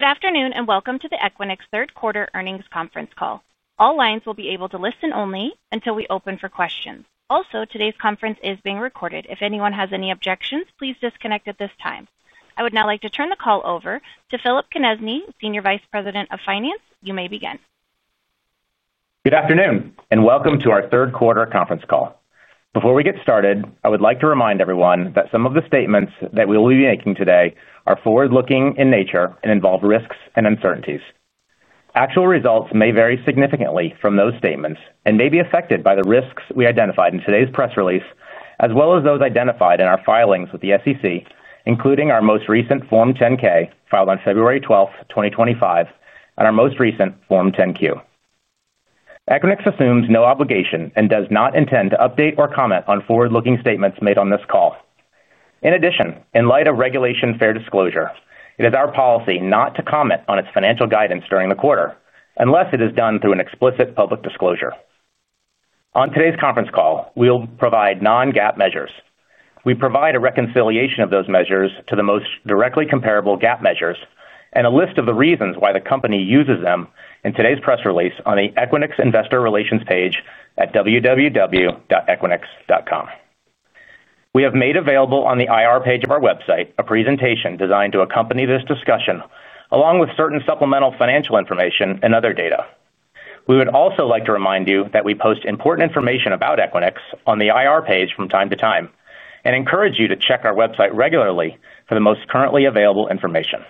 Good afternoon and welcome to the Equinix third quarter earnings conference call. All lines will be able to listen only until we open for questions. Also, today's conference is being recorded. If anyone has any objections, please disconnect at this time. I would now like to turn the call over to Phillip Konieczny, Senior Vice President of Finance. You may begin. Good afternoon and welcome to our third quarter conference call. Before we get started, I would like to remind everyone that some of the statements that we will be making today are forward-looking in nature and involve risks and uncertainties. Actual results may vary significantly from those statements and may be affected by the risks we identified in today's press release, as well as those identified in our filings with the SEC, including our most recent Form 10-K filed on February 12, 2025, and our most recent Form 10-Q. Equinix assumes no obligation and does not intend to update or comment on forward-looking statements made on this call. In addition, in light of Regulation Fair Disclosure, it is our policy not to comment on its financial guidance during the quarter unless it is done through an explicit public disclosure. On today's conference call, we'll provide non-GAAP measures. We provide a reconciliation of those measures to the most directly comparable GAAP measures and a list of the reasons why the company uses them in today's press release on the Equinix Investor Relations page at www.equinix.com. We have made available on the IR page of our website a presentation designed to accompany this discussion, along with certain supplemental financial information and other data. We would also like to remind you that we post important information about Equinix on the IR page from time to time and encourage you to check our website regularly for the most currently available information.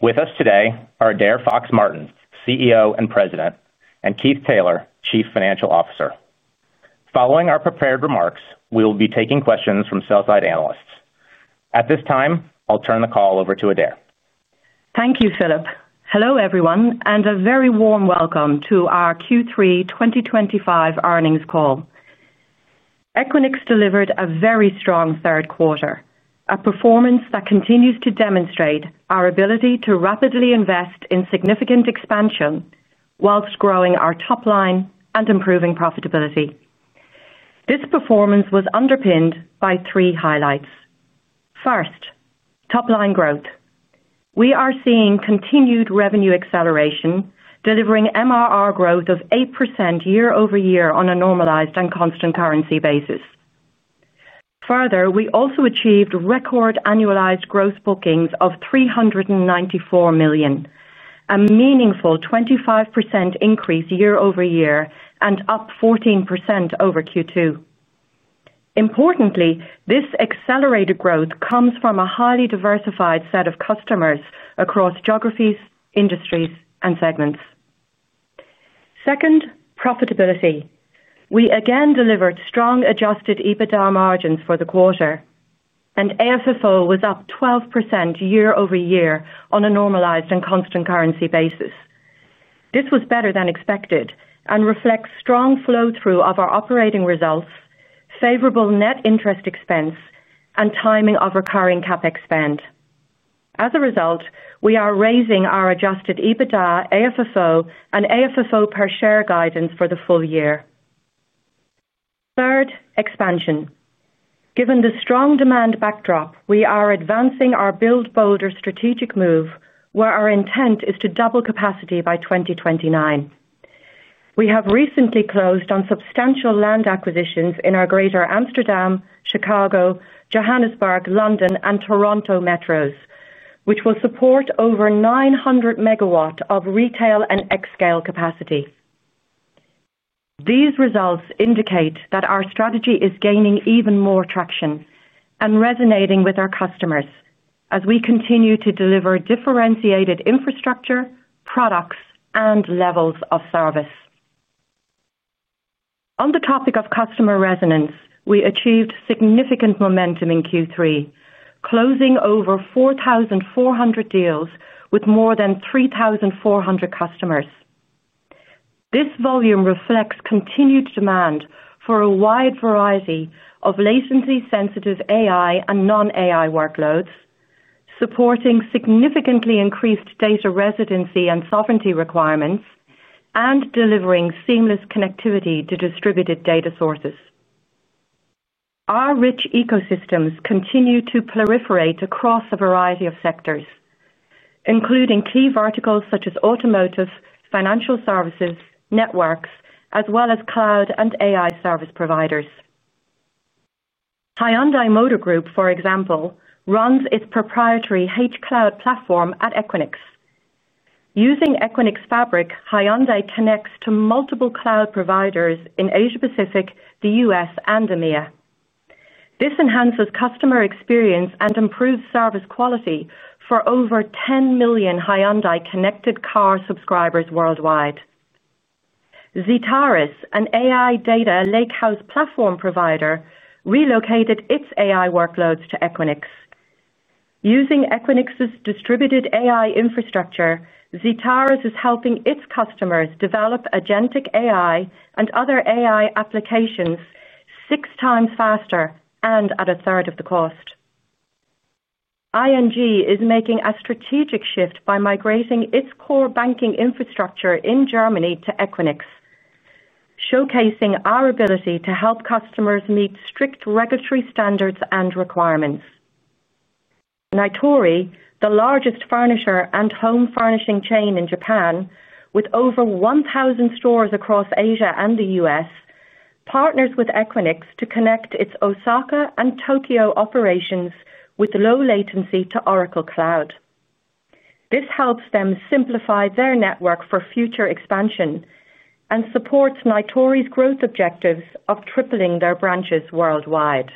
With us today are Adaire Fox-Martin, CEO and President, and Keith Taylor, Chief Financial Officer. Following our prepared remarks, we'll be taking questions from sell-side analysts. At this time, I'll turn the call over to Adaire. Thank you, Phillip. Hello everyone, and a very warm welcome to our Q3 2025 earnings call. Equinix delivered a very strong third quarter, a performance that continues to demonstrate our ability to rapidly invest in significant expansion whilst growing our top line and improving profitability. This performance was underpinned by three highlights. First, top line growth. We are seeing continued revenue acceleration, delivering MRR growth of 8% year-over-year on a normalized and constant currency basis. Further, we also achieved record annualized gross bookings of $394 million, a meaningful 25% increase year-over-year and up 14% over Q2. Importantly, this accelerated growth comes from a highly diversified set of customers across geographies, industries, and segments. Second, profitability. We again delivered strong adjusted EBITDA margins for the quarter, and AFFO was up 12% year-over-year on a normalized and constant currency basis. This was better than expected and reflects strong flow-through of our operating results, favorable net interest expense, and timing of recurring CapEx spend. As a result, we are raising our adjusted EBITDA, AFFO, and AFFO per share guidance for the full year. Third, expansion. Given the strong demand backdrop, we are advancing our bold strategic move where our intent is to double capacity by 2029. We have recently closed on substantial land acquisitions in our Greater Amsterdam, Chicago, Johannesburg, London, and Toronto metros, which will support over 900 MW of retail and xScale capacity. These results indicate that our strategy is gaining even more traction and resonating with our customers as we continue to deliver differentiated infrastructure, products, and levels of service. On the topic of customer resonance, we achieved significant momentum in Q3, closing over 4,400 deals with more than 3,400 customers. This volume reflects continued demand for a wide variety of latency-sensitive AI and non-AI workloads, supporting significantly increased data residency and sovereignty requirements, and delivering seamless connectivity to distributed data sources. Our rich ecosystems continue to proliferate across a variety of sectors, including key verticals such as automotive, financial services, networks, as well as cloud and AI service providers. Hyundai Motor Group, for example, runs its proprietary HCloud platform at Equinix. Using Equinix Fabric, Hyundai connects to multiple cloud providers in Asia-Pacific, the U.S., and EMEA. This enhances customer experience and improves service quality for over 10 million Hyundai connected car subscribers worldwide. Zetaris, an AI data lakehouse platform provider, relocated its AI workloads to Equinix. Using Equinix's distributed AI infrastructure, Zetaris is helping its customers develop agentic AI and other AI applications six times faster and at a third of the cost. ING is making a strategic shift by migrating its core banking infrastructure in Germany to Equinix, showcasing our ability to help customers meet strict regulatory standards and requirements. Nitori, the largest furniture and home furnishing chain in Japan, with over 1,000 stores across Asia and the U.S., partners with Equinix to connect its Osaka and Tokyo operations with low latency to Oracle Cloud. This helps them simplify their network for future expansion and supports Nitori's growth objectives of tripling their branches worldwide.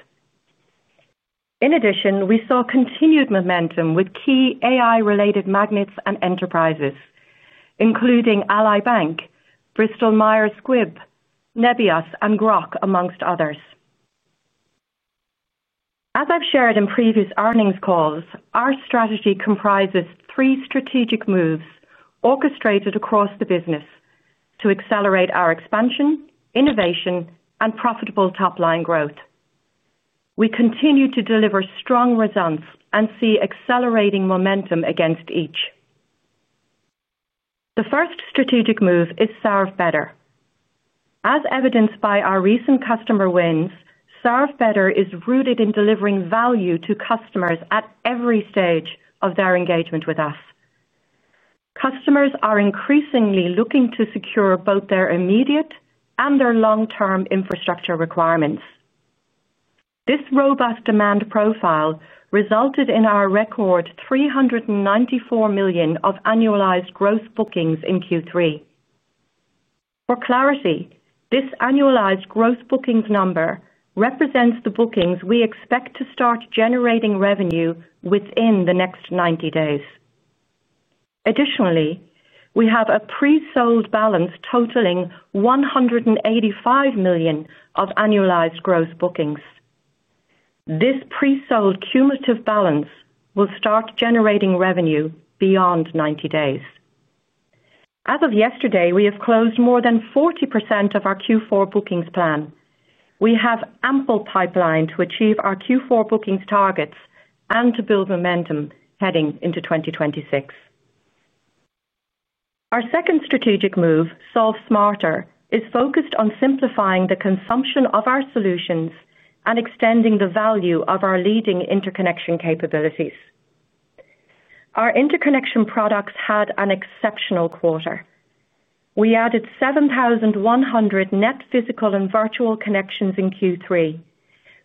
In addition, we saw continued momentum with key AI-related magnates and enterprises, including Ally Bank, Bristol Myers Squibb, Nebius, and Groq, amongst others. As I've shared in previous earnings calls, our strategy comprises three strategic moves orchestrated across the business to accelerate our expansion, innovation, and profitable top-line growth. We continue to deliver strong results and see accelerating momentum against each. The first strategic move is Serve Better. As evidenced by our recent customer wins, Serve Better is rooted in delivering value to customers at every stage of their engagement with us. Customers are increasingly looking to secure both their immediate and their long-term infrastructure requirements. This robust demand profile resulted in our record $394 million of annualized gross bookings in Q3. For clarity, this annualized gross bookings number represents the bookings we expect to start generating revenue within the next 90 days. Additionally, we have a pre-sold balance totaling $185 million of annualized gross bookings. This pre-sold cumulative balance will start generating revenue beyond 90 days. As of yesterday, we have closed more than 40% of our Q4 bookings plan. We have ample pipeline to achieve our Q4 bookings targets and to build momentum heading into 2026. Our second strategic move, Solve Smarter, is focused on simplifying the consumption of our solutions and extending the value of our leading interconnection capabilities. Our interconnection products had an exceptional quarter. We added 7,100 net physical and virtual connections in Q3,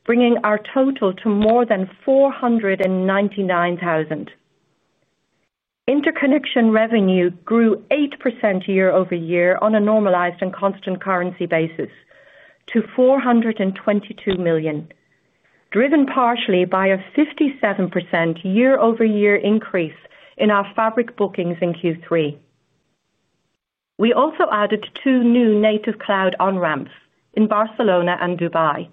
bringing our total to more than 499,000. Interconnection revenue grew 8% year-over-year on a normalized and constant currency basis to $422 million, driven partially by a 57% year-over-year increase in our Equinix Fabric bookings in Q3. We also added two new native cloud on-ramps in Barcelona and Dubai,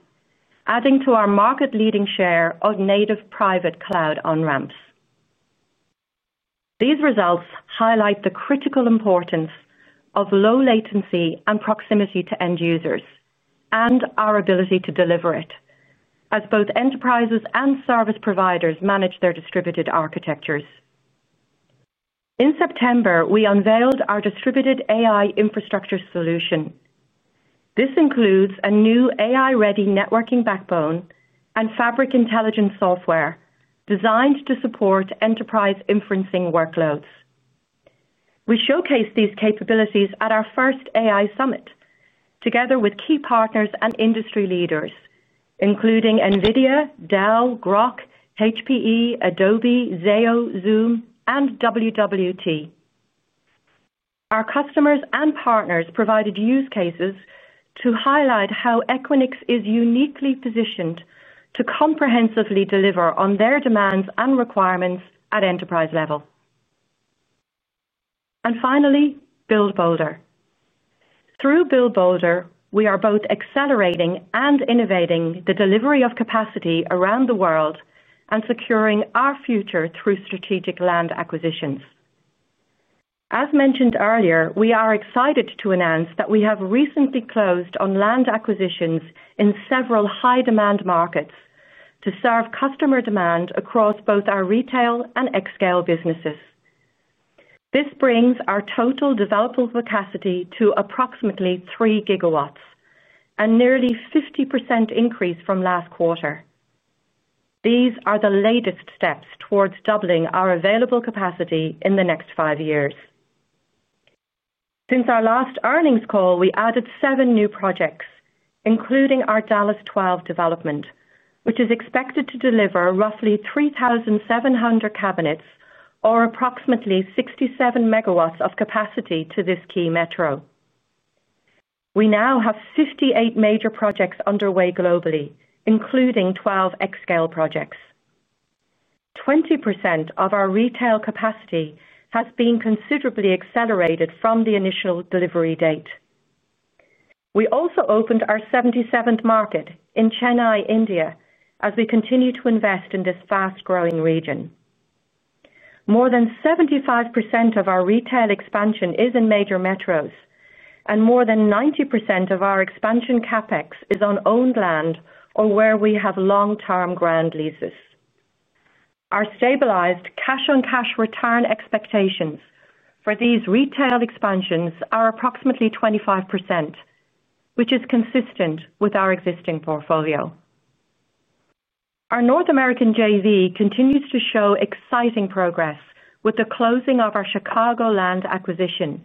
adding to our market-leading share of native private cloud on-ramps. These results highlight the critical importance of low latency and proximity to end users and our ability to deliver it as both enterprises and service providers manage their distributed architectures. In September, we unveiled our distributed AI infrastructure solution. This includes a new AI-ready networking backbone and fabric intelligence software designed to support enterprise inferencing workloads. We showcased these capabilities at our first AI summit together with key partners and industry leaders, including NVIDIA, Dell, Groq, HPE, Adobe, Zayo, Zoom, and WWT. Our customers and partners provided use cases to highlight how Equinix is uniquely positioned to comprehensively deliver on their demands and requirements at enterprise level. Finally, build bolder. Through build bolder, we are both accelerating and innovating the delivery of capacity around the world and securing our future through strategic land acquisitions. As mentioned earlier, we are excited to announce that we have recently closed on land acquisitions in several high-demand markets to serve customer demand across both our retail and xScale businesses. This brings our total developer capacity to approximately 3 GW and nearly a 50% increase from last quarter. These are the latest steps towards doubling our available capacity in the next five years. Since our last earnings call, we added seven new projects, including our Dallas 12 development, which is expected to deliver roughly 3,700 cabinets or approximately 67 MW of capacity to this key metro. We now have 58 major projects underway globally, including 12 xScale projects. 20% of our retail capacity has been considerably accelerated from the initial delivery date. We also opened our 77th market in Chennai, India, as we continue to invest in this fast-growing region. More than 75% of our retail expansion is in major metros, and more than 90% of our expansion CapEx is on owned land or where we have long-term ground leases. Our stabilized cash-on-cash return expectations for these retail expansions are approximately 25%, which is consistent with our existing portfolio. Our North American JV continues to show exciting progress with the closing of our Chicago land acquisition,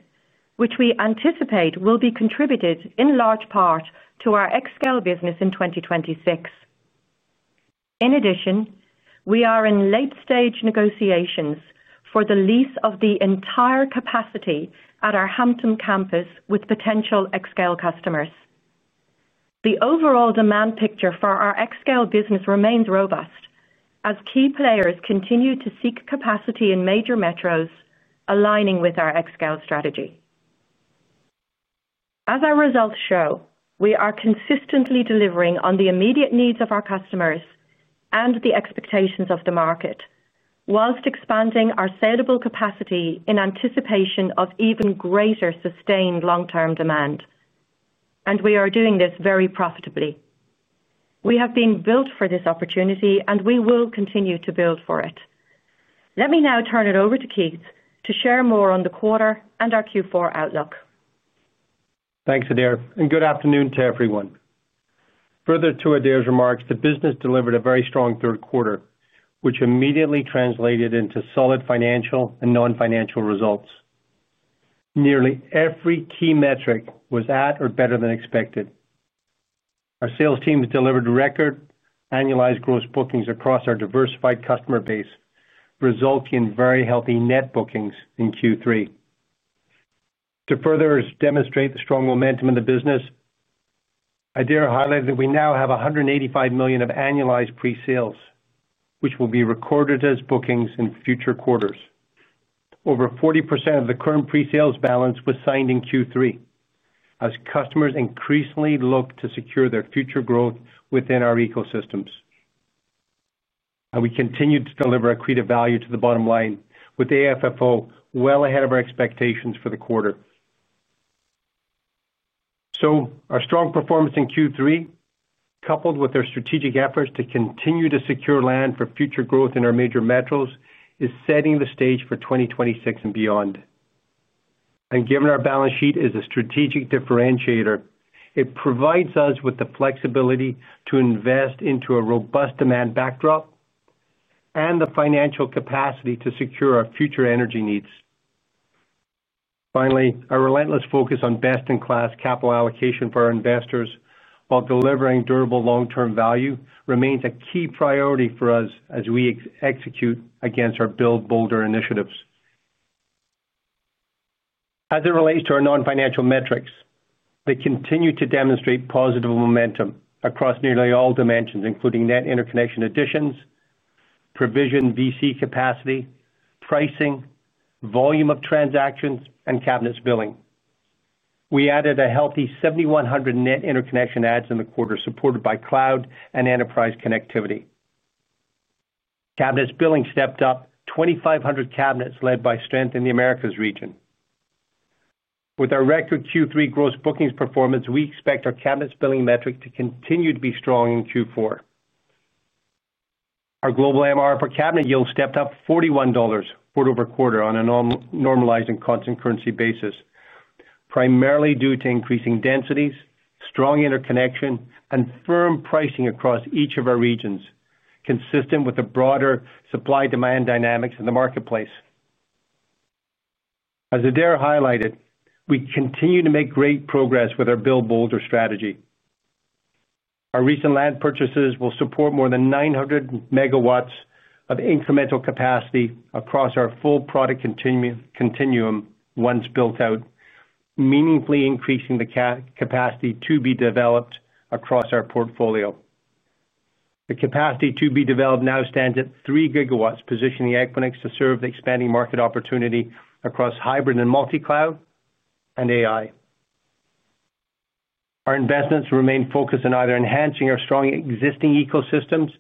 which we anticipate will be contributed in large part to our xScale business in 2026. In addition, we are in late-stage negotiations for the lease of the entire capacity at our Hampton campus with potential xScale customers. The overall demand picture for our xScale business remains robust as key players continue to seek capacity in major metros, aligning with our xScale strategy. As our results show, we are consistently delivering on the immediate needs of our customers and the expectations of the market, while expanding our saleable capacity in anticipation of even greater sustained long-term demand. We are doing this very profitably. We have been built for this opportunity, and we will continue to build for it. Let me now turn it over to Keith to share more on the quarter and our Q4 outlook. Thanks, Adaire, and good afternoon to everyone. Further to Adaire's remarks, the business delivered a very strong third quarter, which immediately translated into solid financial and non-financial results. Nearly every key metric was at or better than expected. Our sales teams delivered record annualized gross bookings across our diversified customer base, resulting in very healthy net bookings in Q3. To further demonstrate the strong momentum in the business, Adaire highlighted that we now have $185 million of annualized pre-sales, which will be recorded as bookings in future quarters. Over 40% of the current pre-sales balance was signed in Q3, as customers increasingly look to secure their future growth within our ecosystems. We continue to deliver accretive value to the bottom line, with AFFO well ahead of our expectations for the quarter. Our strong performance in Q3, coupled with our strategic efforts to continue to secure land for future growth in our major metros, is setting the stage for 2026 and beyond. Given our balance sheet is a strategic differentiator, it provides us with the flexibility to invest into a robust demand backdrop and the financial capacity to secure our future energy needs. Finally, our relentless focus on best-in-class capital allocation for our investors, while delivering durable long-term value, remains a key priority for us as we execute against our build bolder initiatives. As it relates to our non-financial metrics, they continue to demonstrate positive momentum across nearly all dimensions, including net interconnection additions, provisioned VC capacity, pricing, volume of transactions, and cabinets billing. We added a healthy 7,100 net interconnection adds in the quarter, supported by cloud and enterprise connectivity. Cabinets billing stepped up 2,500 cabinets, led by strength in the Americas region. With our record Q3 gross bookings performance, we expect our cabinets billing metric to continue to be strong in Q4. Our global MRR per cabinet yield stepped up $41 quarter-over-quarter on a normalized and constant currency basis, primarily due to increasing densities, strong interconnection, and firm pricing across each of our regions, consistent with the broader supply-demand dynamics in the marketplace. As Adaire highlighted, we continue to make great progress with our build bolder strategy. Our recent land purchases will support more than 900 MW of incremental capacity across our full product continuum once built out, meaningfully increasing the capacity to be developed across our portfolio. The capacity to be developed now stands at 3 GW, positioning Equinix to serve the expanding market opportunity across hybrid and multi-cloud and AI. Our investments remain focused on either enhancing our strong existing ecosystems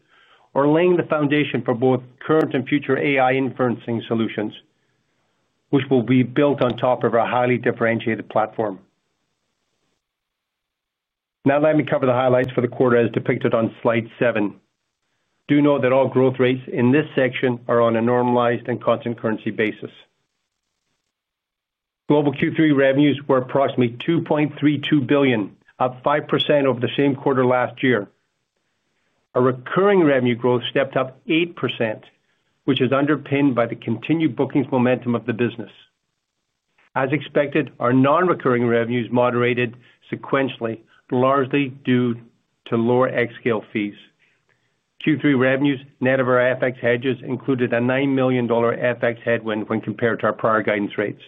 or laying the foundation for both current and future AI inferencing solutions, which will be built on top of our highly differentiated platform. Now, let me cover the highlights for the quarter as depicted on slide seven. Do note that all growth rates in this section are on a normalized and constant currency basis. Global Q3 revenues were approximately $2.32 billion, up 5% over the same quarter last year. Our recurring revenue growth stepped up 8%, which is underpinned by the continued bookings momentum of the business. As expected, our non-recurring revenues moderated sequentially, largely due to lower xScale fees. Q3 revenues net of our FX hedges included a $9 million FX headwind when compared to our prior guidance rates.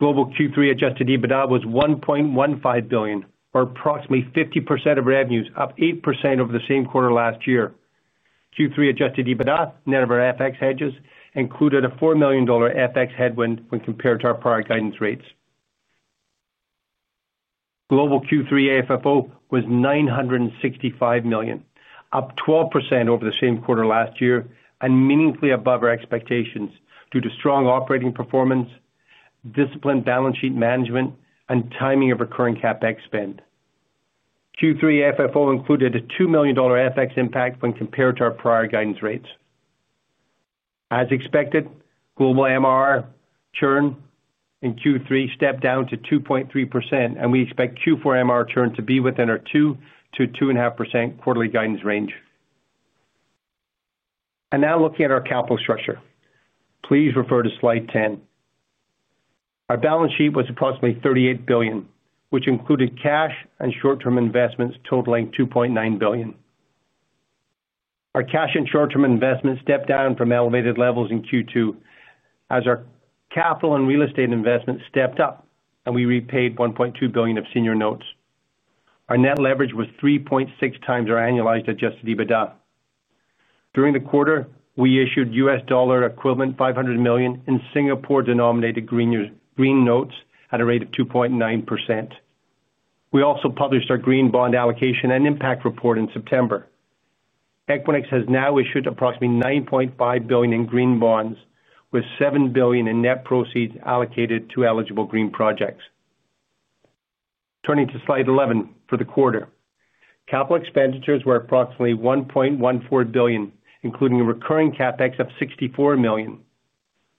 Global Q3 adjusted EBITDA was $1.15 billion, or approximately 50% of revenues, up 8% over the same quarter last year. Q3 adjusted EBITDA net of our FX hedges included a $4 million FX headwind when compared to our prior guidance rates. Global Q3 AFFO was $965 million, up 12% over the same quarter last year and meaningfully above our expectations due to strong operating performance, disciplined balance sheet management, and timing of recurring CapEx spend. Q3 AFFO included a $2 million FX impact when compared to our prior guidance rates. As expected, global MRR churn in Q3 stepped down to 2.3%, and we expect Q4 MRR churn to be within our 2%-2.5% quarterly guidance range. Now looking at our capital structure, please refer to slide 10. Our balance sheet was approximately $38 billion, which included cash and short-term investments totaling $2.9 billion. Our cash and short-term investments stepped down from elevated levels in Q2 as our capital and real estate investments stepped up, and we repaid $1.2 billion of senior notes. Our net leverage was 3.6x our annualized adjusted EBITDA. During the quarter, we issued U.S. dollar equivalent $500 million in Singapore denominated green notes at a rate of 2.9%. We also published our green bond allocation and impact report in September. Equinix has now issued approximately $9.5 billion in green bonds, with $7 billion in net proceeds allocated to eligible green projects. Turning to slide 11 for the quarter, capital expenditures were approximately $1.14 billion, including a recurring CapEx of $64 million.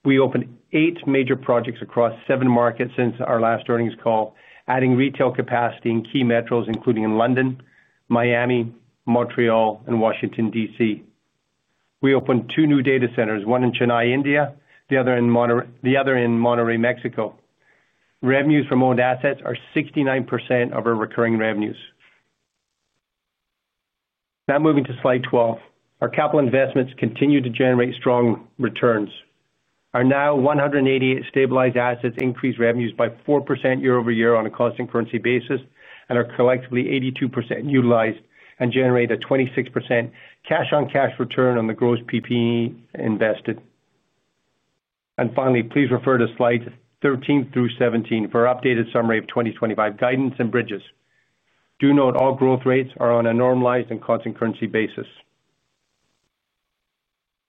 We opened eight major projects across seven markets since our last earnings call, adding retail capacity in key metros, including in London, Miami, Montreal, and Washington, D.C. We opened two new data centers, one in Chennai, India, the other in Monterrey, Mexico. Revenues from owned assets are 69% of our recurring revenues. Now moving to slide 12, our capital investments continue to generate strong returns. Our now 188 stabilized assets increase revenues by 4% year-over-year on a constant currency basis and are collectively 82% utilized and generate a 26% cash-on-cash return on the gross PPE invested. Please refer to slides 13 through 17 for an updated summary of 2025 guidance and bridges. Do note all growth rates are on a normalized and constant currency basis.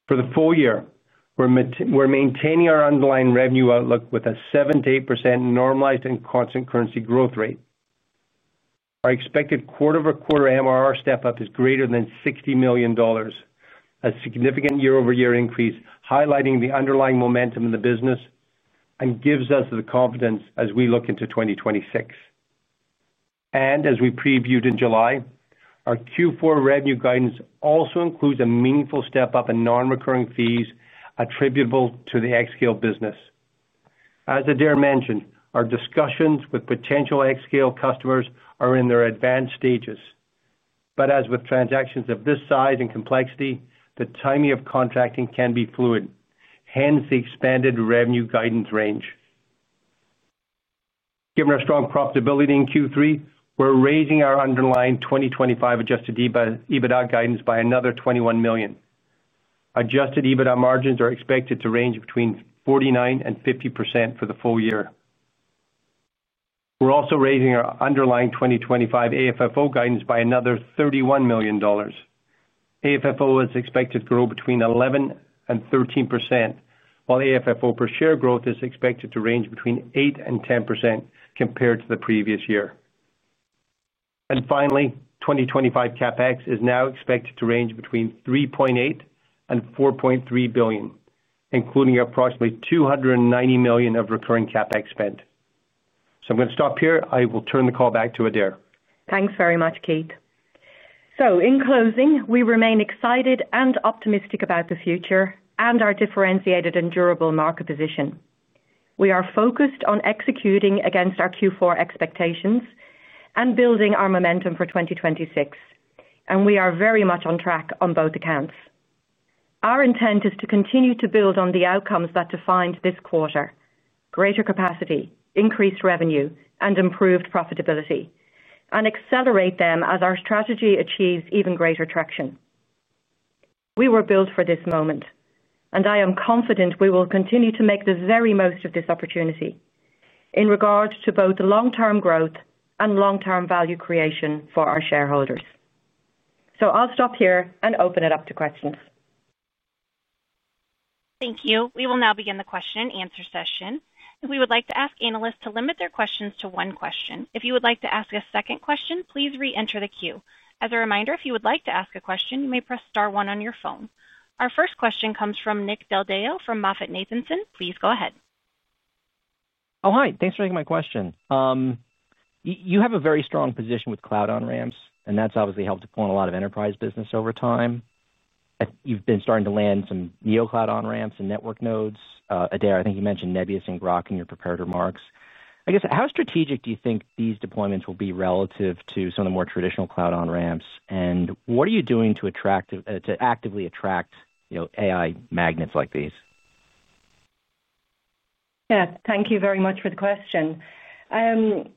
For the full year, we're maintaining our underlying revenue outlook with a 7%-8% normalized and constant currency growth rate. Our expected quarter-over-quarter MRR step-up is greater than $60 million, a significant year-over-year increase highlighting the underlying momentum in the business and gives us the confidence as we look into 2026. As we previewed in July, our Q4 revenue guidance also includes a meaningful step-up in non-recurring fees attributable to the xScale business. As Adaire mentioned, our discussions with potential xScale customers are in their advanced stages. As with transactions of this size and complexity, the timing of contracting can be fluid, hence the expanded revenue guidance range. Given our strong profitability in Q3, we're raising our underlying 2025 adjusted EBITDA guidance by another $21 million. Adjusted EBITDA margins are expected to range between 49% and 50% for the full year. We're also raising our underlying 2025 AFFO guidance by another $31 million. AFFO is expected to grow between 11% and 13%, while AFFO per share growth is expected to range between 8% and 10% compared to the previous year. 2025 CapEx is now expected to range between $3.8 billion and $4.3 billion, including approximately $290 million of recurring CapEx spend. I'm going to stop here. I will turn the call back to Adaire. Thanks very much, Keith. In closing, we remain excited and optimistic about the future and our differentiated and durable market position. We are focused on executing against our Q4 expectations and building our momentum for 2026, and we are very much on track on both accounts. Our intent is to continue to build on the outcomes that defined this quarter: greater capacity, increased revenue, and improved profitability, and accelerate them as our strategy achieves even greater traction. We were built for this moment, and I am confident we will continue to make the very most of this opportunity in regard to both the long-term growth and long-term value creation for our shareholders. I'll stop here and open it up to questions. Thank you. We will now begin the question and answer session. We would like to ask analysts to limit their questions to one question. If you would like to ask a second question, please re-enter the queue. As a reminder, if you would like to ask a question, you may press star one on your phone. Our first question comes from Nick Del Deo from MoffettNathanson. Please go ahead. Oh, hi. Thanks for taking my question. You have a very strong position with cloud on-ramps, and that's obviously helped to pull in a lot of enterprise business over time. You've been starting to land some new cloud on-ramps and network nodes. Adaire, I think you mentioned Nebius and Groq in your prepared remarks. I guess, how strategic do you think these deployments will be relative to some of the more traditional cloud on-ramps, and what are you doing to actively attract AI magnets like these? Yes, thank you very much for the question.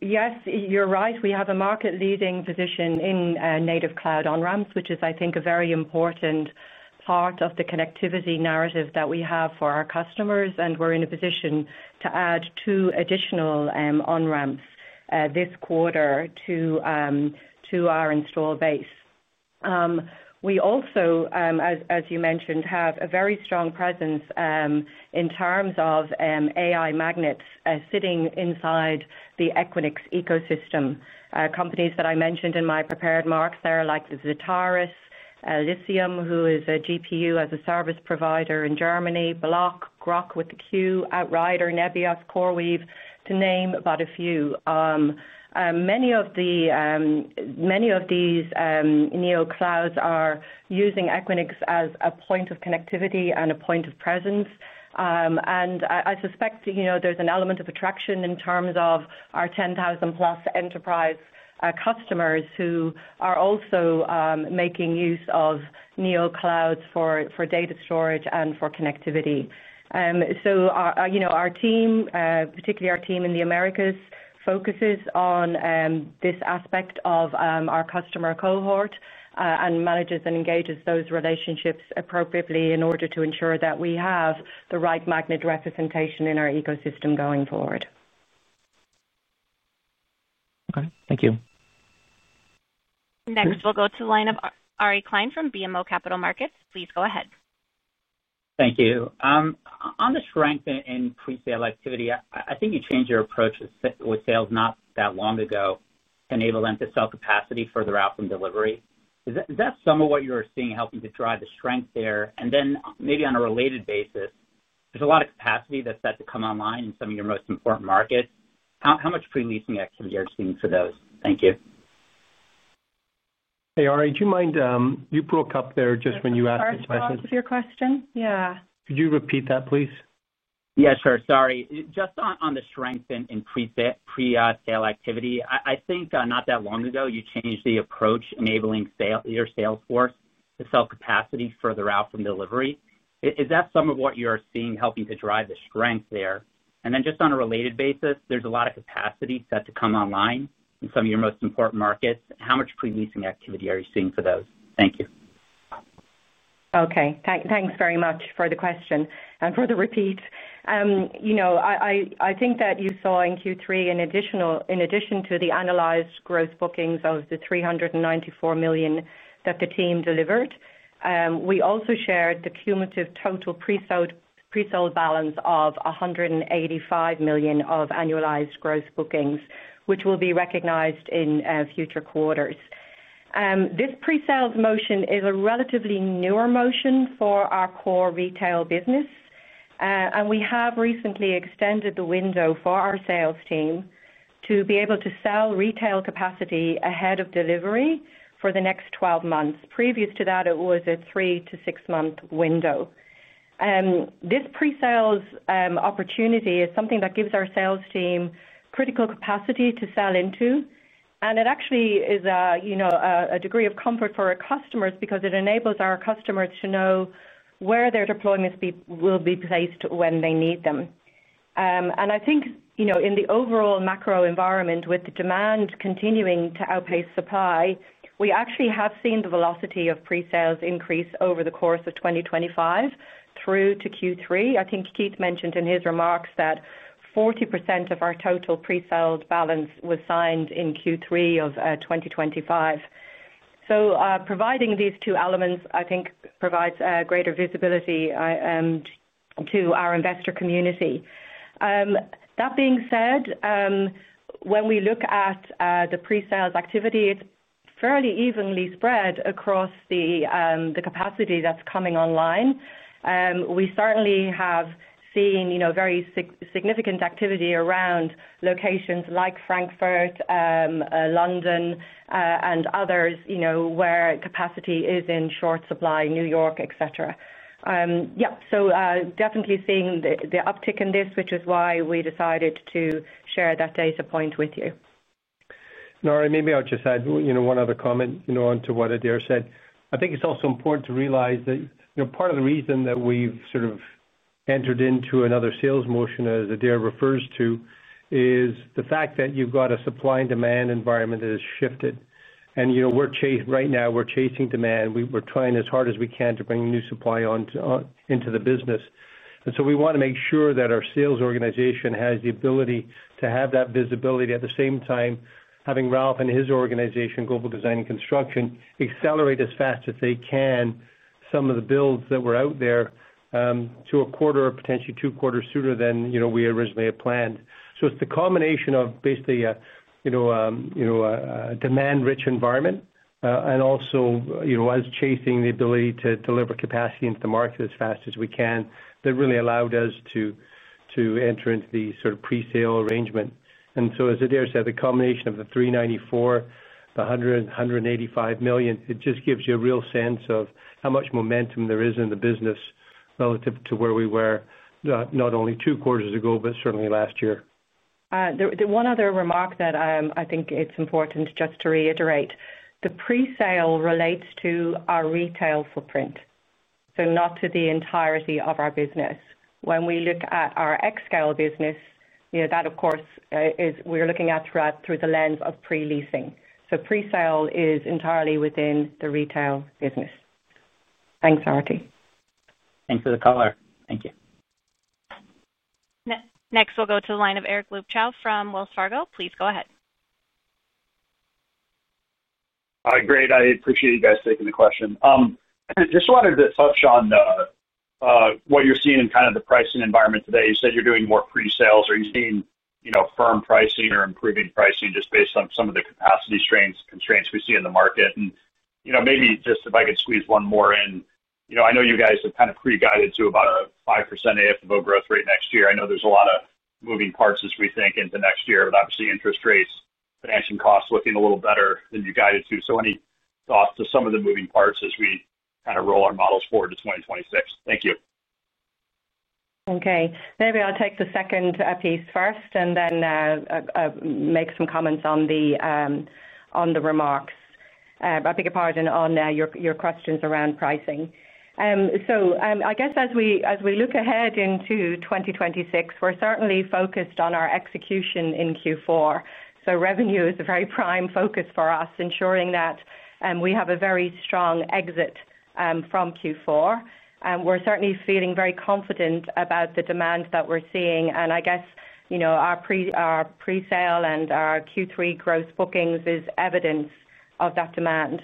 Yes, you're right. We have a market-leading position in native cloud on-ramps, which is, I think, a very important part of the connectivity narrative that we have for our customers, and we're in a position to add two additional on-ramps this quarter to our install base. We also, as you mentioned, have a very strong presence in terms of AI magnets sitting inside the Equinix ecosystem. Companies that I mentioned in my prepared remarks there are like Zetaris, Lysium, who is a GPU as a service provider in Germany, Block, Groq with the Q, Outrider, Nebius, CoreWeave, to name but a few. Many of these Neo clouds are using Equinix as a point of connectivity and a point of presence, and I suspect there's an element of attraction in terms of our 10,000+ enterprise customers who are also making use of Neo clouds for data storage and for connectivity. Our team, particularly our team in the Americas, focuses on this aspect of our customer cohort and manages and engages those relationships appropriately in order to ensure that we have the right magnet representation in our ecosystem going forward. Okay, thank you. Next, we'll go to the line of Ari Klein from BMO Capital Markets. Please go ahead. Thank you. On the strength in pre-sales activity, I think you changed your approach with sales not that long ago to enable them to sell capacity further out from delivery. Is that some of what you were seeing helping to drive the strength there? On a related basis, there's a lot of capacity that's set to come online in some of your most important markets. How much pre-leasing activity are you seeing for those? Thank you. Hey, Ari, do you mind? You broke up there just when you asked the question. I broke up with your question. Could you repeat that, please? Yeah, sure. Sorry. Just on the strength in pre-sales activity, I think not that long ago you changed the approach enabling your sales force to sell capacity further out from delivery. Is that some of what you are seeing helping to drive the strength there? On a related basis, there's a lot of capacity set to come online in some of your most important markets. How much pre-leasing activity are you seeing for those? Thank you. Okay, thanks very much for the question and for the repeat. I think that you saw in Q3, in addition to the annualized gross bookings of $394 million that the team delivered, we also shared the cumulative total pre-sold balance of $185 million of annualized gross bookings, which will be recognized in future quarters. This pre-sales motion is a relatively newer motion for our core retail business, and we have recently extended the window for our sales team to be able to sell retail capacity ahead of delivery for the next 12 months. Previous to that, it was a three to six-month window. This pre-sales opportunity is something that gives our sales team critical capacity to sell into, and it actually is a degree of comfort for our customers because it enables our customers to know where their deployments will be placed when they need them. I think in the overall macro environment, with the demand continuing to outpace supply, we actually have seen the velocity of pre-sales increase over the course of 2025 through to Q3. I think Keith mentioned in his remarks that 40% of our total pre-sold balance was signed in Q3 of 2025. Providing these two elements, I think, provides greater visibility to our investor community. That being said, when we look at the pre-sales activity, it's fairly evenly spread across the capacity that's coming online. We certainly have seen very significant activity around locations like Frankfurt, London, and others where capacity is in short supply, New York, et cetera. Yeah, definitely seeing the uptick in this, which is why we decided to share that data point with you. Ari, maybe I'll just add one other comment onto what Adaire said. I think it's also important to realize that part of the reason that we've sort of entered into another sales motion, as Adaire refers to, is the fact that you've got a supply and demand environment that has shifted. Right now, we're chasing demand. We're trying as hard as we can to bring new supply into the business. We want to make sure that our sales organization has the ability to have that visibility, at the same time having Raouf and his organization, Global Design and Construction, accelerate as fast as they can some of the builds that were out there to a quarter or potentially two quarters sooner than we originally had planned. It's the combination of basically a demand-rich environment and also us chasing the ability to deliver capacity into the market as fast as we can that really allowed us to enter into the sort of pre-sale arrangement. As Adaire said, the combination of the $394 million, the $100 million, and $185 million, it just gives you a real sense of how much momentum there is in the business relative to where we were not only two quarters ago, but certainly last year. One other remark that I think it's important just to reiterate, the pre-sale relates to our retail footprint, not to the entirety of our business. When we look at our xScale business, that, of course, we're looking at through the lens of pre-leasing. Pre-sale is entirely within the retail business. Thanks, Ari. Thanks for the call. Thank you. Next, we'll go to the line of Eric Luebchow from Wells Fargo. Please go ahead. Hi, great. I appreciate you guys taking the question. I just wanted to touch on what you're seeing in kind of the pricing environment today. You said you're doing more pre-sales. Are you seeing firm pricing or improving pricing just based on some of the capacity constraints we see in the market? Maybe just if I could squeeze one more in, I know you guys have kind of pre-guided to about a 5% AFFO growth rate next year. I know there's a lot of moving parts as we think into next year, but obviously interest rates, financing costs looking a little better than you guided to. Any thoughts to some of the moving parts as we kind of roll our models forward to 2026? Thank you. Okay, maybe I'll take the second piece first and then make some comments on the remarks. I think a part on your questions around pricing. As we look ahead into 2026, we're certainly focused on our execution in Q4. Revenue is a very prime focus for us, ensuring that we have a very strong exit from Q4. We're certainly feeling very confident about the demand that we're seeing, and our pre-sale and our Q3 gross bookings is evidence of that demand.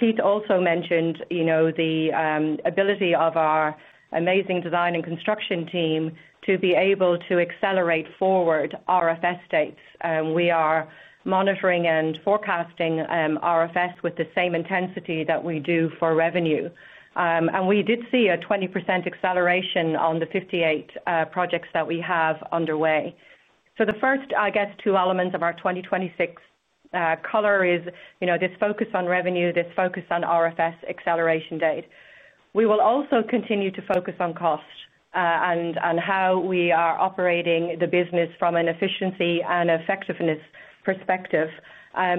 Keith also mentioned the ability of our amazing design and construction team to be able to accelerate forward RFS dates. We are monitoring and forecasting RFS with the same intensity that we do for revenue. We did see a 20% acceleration on the 58 projects that we have underway. The first two elements of our 2026 color is this focus on revenue, this focus on RFS acceleration date. We will also continue to focus on cost and how we are operating the business from an efficiency and effectiveness perspective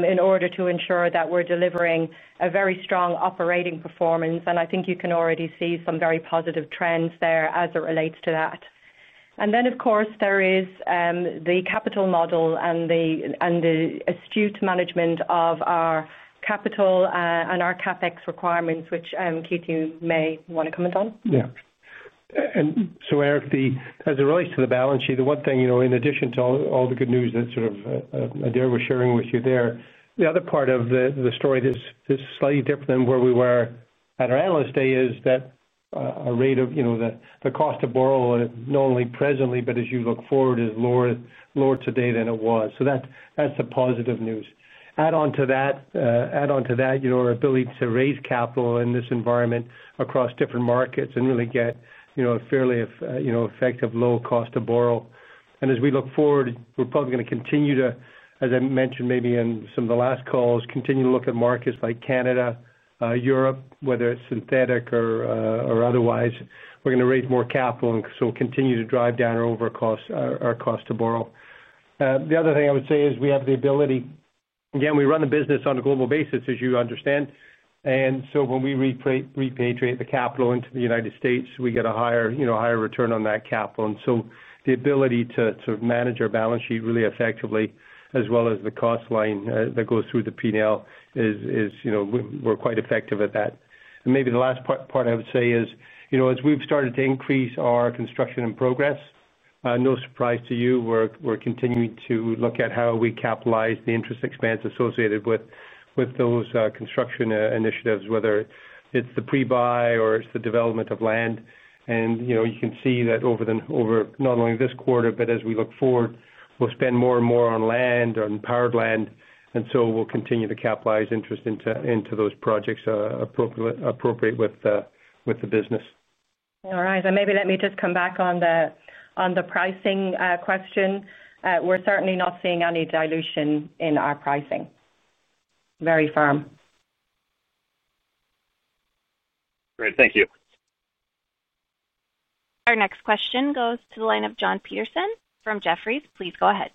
in order to ensure that we're delivering a very strong operating performance. I think you can already see some very positive trends there as it relates to that. Of course, there is the capital model and the astute management of our capital and our CapEx requirements, which Keith, you may want to comment on. Yeah. As it relates to the balance sheet, the one thing in addition to all the good news that Adaire was sharing with you there, the other part of the story that is slightly different than where we were at our analyst day is that our rate of the cost of borrow, not only presently, but as you look forward, is lower today than it was. That's the positive news. Add on to that our ability to raise capital in this environment across different markets and really get a fairly effective low cost to borrow. As we look forward, we're probably going to continue to, as I mentioned maybe in some of the last calls, continue to look at markets like Canada, Europe, whether it's synthetic or otherwise. We're going to raise more capital and continue to drive down our overall cost to borrow. The other thing I would say is we have the ability, again, we run the business on a global basis, as you understand. When we repatriate the capital into the United States, we get a higher return on that capital. The ability to manage our balance sheet really effectively, as well as the cost line that goes through the P&L, is we're quite effective at that. Maybe the last part I would say is, as we've started to increase our construction in progress, no surprise to you, we're continuing to look at how we capitalize the interest expense associated with those construction initiatives, whether it's the pre-buy or it's the development of land. You can see that over not only this quarter, but as we look forward, we'll spend more and more on land, on powered land. We'll continue to capitalize interest into those projects appropriate with the business. All right. Let me just come back on the pricing question. We're certainly not seeing any dilution in our pricing. Very firm. Great, thank you. Our next question goes to the line of Jon Petersen from Jefferies. Please go ahead.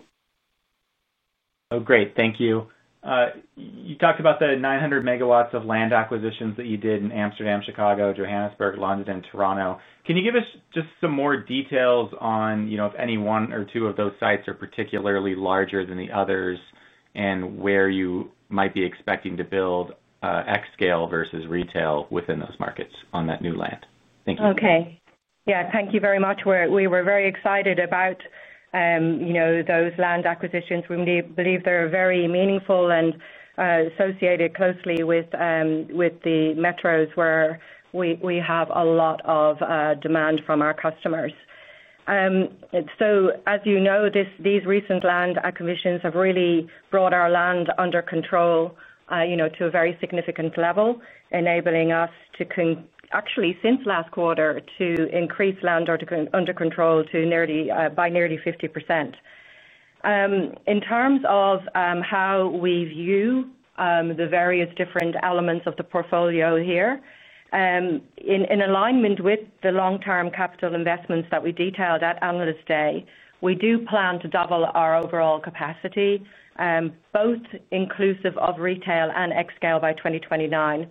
Oh, great, thank you. You talked about the 900 MW of land acquisitions that you did in Amsterdam, Chicago, Johannesburg, London, and Toronto. Can you give us just some more details on if any one or two of those sites are particularly larger than the others, and where you might be expecting to build xScale versus retail within those markets on that new land? Thank you. Thank you very much. We were very excited about those land acquisitions. We believe they're very meaningful and associated closely with the metros where we have a lot of demand from our customers. As you know, these recent land acquisitions have really brought our land under control to a very significant level, enabling us to actually, since last quarter, increase land under control by nearly 50%. In terms of how we view the various different elements of the portfolio here, in alignment with the long-term capital investments that we detailed at Analyst Day, we do plan to double our overall capacity, both inclusive of retail and xScale by 2029.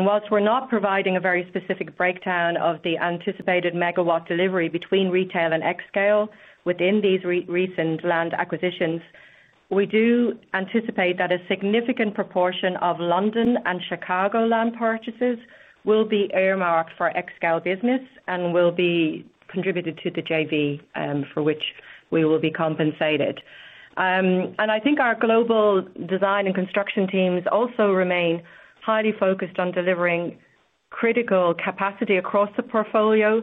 Whilst we're not providing a very specific breakdown of the anticipated megawatts delivery between retail and xScale within these recent land acquisitions, we do anticipate that a significant proportion of London and Chicago land purchases will be earmarked for xScale business and will be contributed to the JV for which we will be compensated. I think our global design and construction teams also remain highly focused on delivering critical capacity across the portfolio.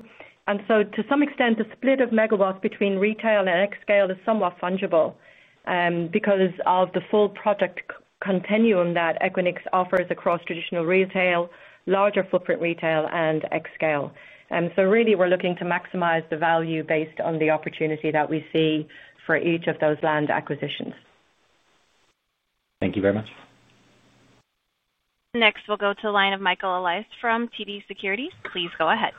To some extent, the split of megawatts between retail and xScale is somewhat fungible because of the full project continuum that Equinix offers across traditional retail, larger footprint retail, and xScale. We are really looking to maximize the value based on the opportunity that we see for each of those land acquisitions. Thank you very much. Next, we'll go to the line of Michael Elias from TD Securities. Please go ahead.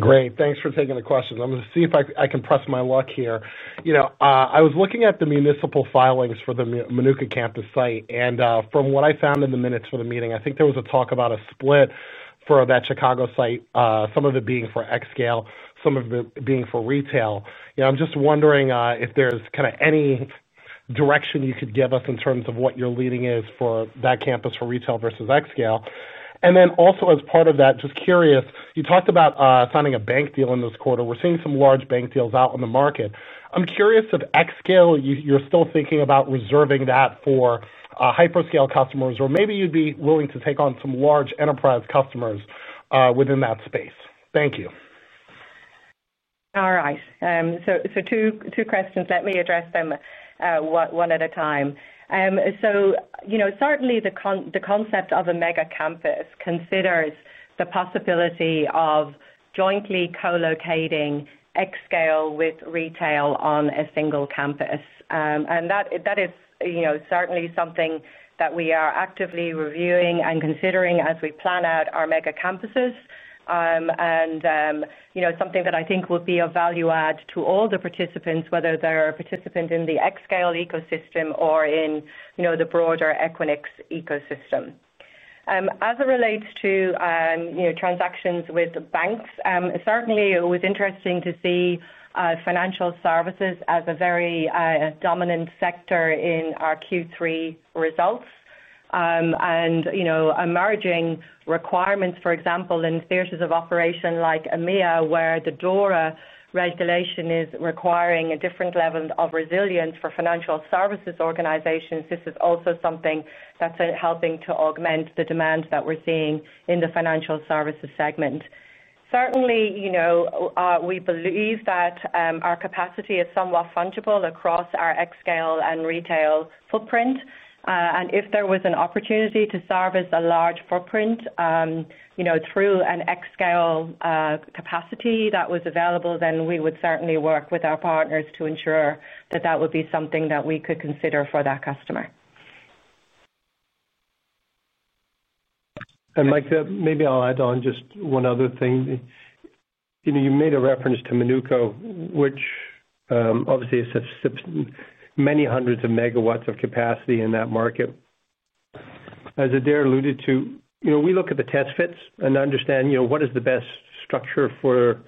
Great, thanks for taking the question. I'm going to see if I can press my luck here. You know, I was looking at the municipal filings for the Manuka campus site, and from what I found in the minutes for the meeting, I think there was a talk about a split for that Chicago site, some of it being for xScale, some of it being for retail. I'm just wondering if there's kind of any direction you could give us in terms of what your leading is for that campus for retail versus xScale. Also, as part of that, just curious, you talked about signing a bank deal in this quarter. We're seeing some large bank deals out in the market. I'm curious if xScale, you're still thinking about reserving that for hyperscale customers, or maybe you'd be willing to take on some large enterprise customers within that space. Thank you. All right. Two questions. Let me address them one at a time. Certainly, the concept of a mega campus considers the possibility of jointly co-locating xScale with retail on a single campus. That is certainly something that we are actively reviewing and considering as we plan out our mega campuses. I think it will be a value add to all the participants, whether they're a participant in the xScale ecosystem or in the broader Equinix ecosystem. As it relates to transactions with banks, it was interesting to see financial services as a very dominant sector in our Q3 results. Emerging requirements, for example, in theaters of operation like EMEA, where the DORA regulation is requiring a different level of resilience for financial services organizations, are also helping to augment the demand that we're seeing in the financial services segment. We believe that our capacity is somewhat fungible across our xScale and retail footprint. If there was an opportunity to service a large footprint through an xScale capacity that was available, then we would certainly work with our partners to ensure that would be something that we could consider for that customer. Mike, maybe I'll add on just one other thing. You made a reference to Manuka, which obviously sips many hundreds of megawatts of capacity in that market. As Adaire alluded to, we look at the test fits and understand what is the best structure for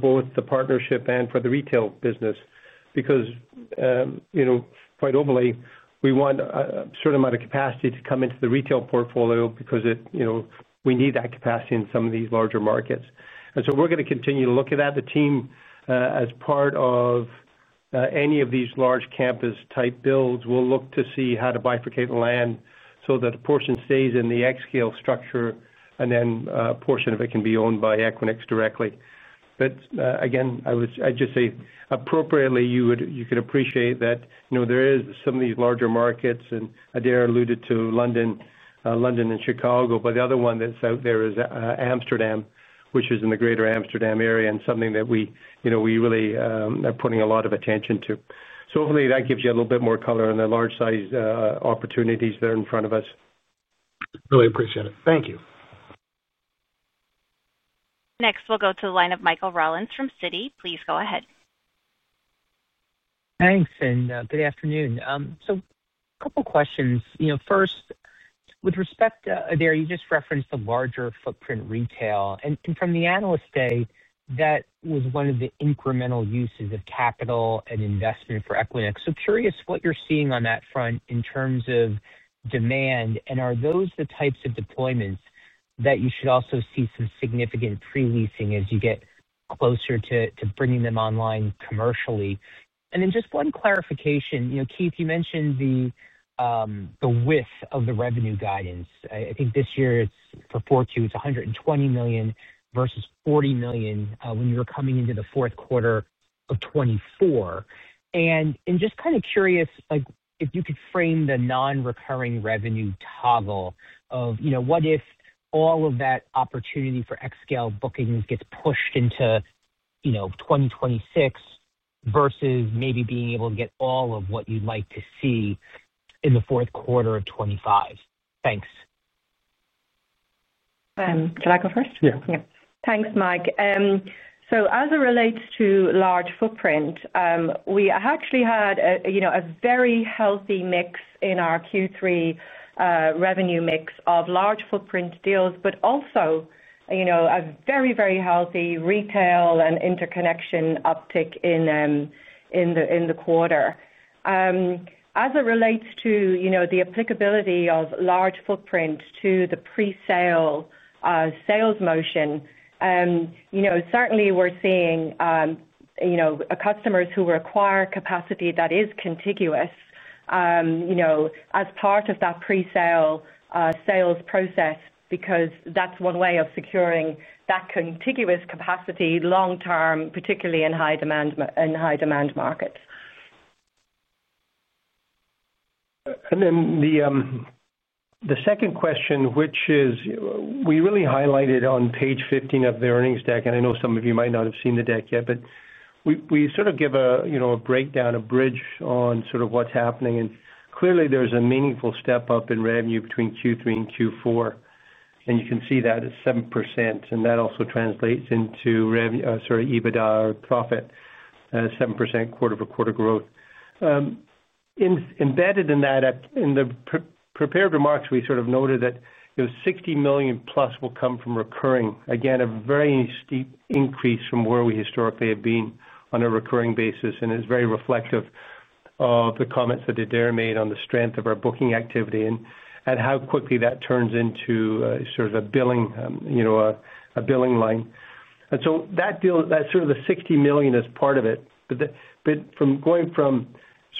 both the partnership and for the retail business. Quite overly, we want a certain amount of capacity to come into the retail portfolio because we need that capacity in some of these larger markets. We are going to continue to look at that. The team, as part of any of these large campus type builds, will look to see how to bifurcate the land so that a portion stays in the xScale structure and then a portion of it can be owned by Equinix directly. Again, I'd just say appropriately, you could appreciate that there are some of these larger markets, and Adaire alluded to London and Chicago, but the other one that's out there is Amsterdam, which is in the Greater Amsterdam area and something that we really are putting a lot of attention to. Hopefully that gives you a little bit more color on the large size opportunities that are in front of us. Really appreciate it. Thank you. Next, we'll go to the line of Michael Rollins from Citigroup. Please go ahead. Thanks, and good afternoon. A couple of questions. First, with respect to Adaire, you just referenced the larger footprint retail. From the analyst day, that was one of the incremental uses of capital and investment for Equinix. Curious what you're seeing on that front in terms of demand, and are those the types of deployments that you should also see some significant pre-leasing as you get closer to bringing them online commercially? One clarification. Keith, you mentioned the width of the revenue guidance. I think this year for Q4, it's $120 million versus $40 million when you were coming into the fourth quarter of 2024. I'm just kind of curious if you could frame the non-recurring revenue toggle of what if all of that opportunity for xScale bookings gets pushed into 2026 versus maybe being able to get all of what you'd like to see in the fourth quarter of 2025. Thanks. Shall I go first? Yeah. Thanks, Mike. As it relates to large footprint, we actually had a very healthy mix in our Q3 revenue mix of large footprint deals, but also a very, very healthy retail and interconnection uptick in the quarter. As it relates to the applicability of large footprint to the pre-sale sales motion, certainly we're seeing customers who require capacity that is contiguous as part of that pre-sale sales process because that's one way of securing that contiguous capacity long-term, particularly in high demand markets. The second question, which is really highlighted on page 15 of the earnings deck, and I know some of you might not have seen the deck yet, but we sort of give a breakdown, a bridge on what's happening. Clearly, there's a meaningful step up in revenue between Q3 and Q4. You can see that at 7%, and that also translates into EBITDA or profit, 7% quarter-for-quarter growth. Embedded in that, in the prepared remarks, we noted that $60 million plus will come from recurring. Again, a very steep increase from where we historically have been on a recurring basis, and it's very reflective of the comments that Adaire made on the strength of our booking activity and how quickly that turns into a billing line. That $60 million is part of it. Going from